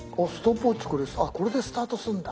あっこれでスタートするんだ。